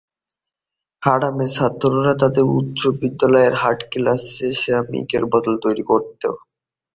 হার্টমের ছাত্ররা তাদের উচ্চ বিদ্যালয়ের আর্ট ক্লাসে সিরামিকের বোল তৈরি করত।